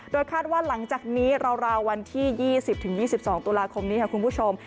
คาดว่าหลังจากนี้ราววันที่๒๐๒๒ตุลาคมนี้ค่ะคุณผู้ชม